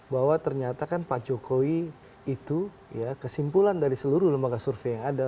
bahwa ternyata kan pak jokowi itu ya kesimpulan dari seluruh lembaga survei yang ada